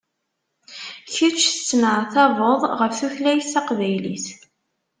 Kečč tettneɛtabeḍ ɣef tutlayt taqbaylit.